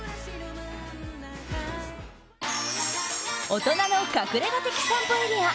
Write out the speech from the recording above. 大人の隠れ家的散歩エリア